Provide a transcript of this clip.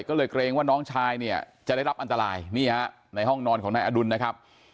ก็เลยเกรงว่าน้องชายเนี่ยจะได้รับอันตรายนี่ฮะในห้องนอนของนายอดุลนะครับ